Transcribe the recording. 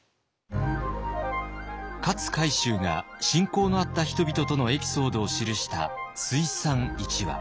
勝海舟が親交のあった人々とのエピソードを記した「追賛一話」。